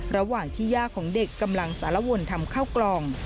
ระหว่างที่ย่าของเด็กกำลังสารวนทำข้าวกล่อง